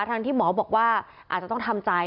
ทั้งที่หมอบอกว่าอาจจะต้องทำใจ